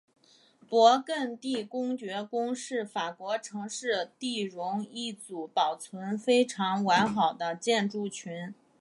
勃艮第公爵宫是法国城市第戎一组保存非常完好的建筑群。